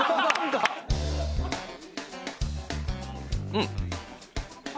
うん。